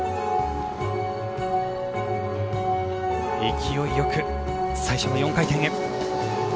勢いよく最初の４回転へ。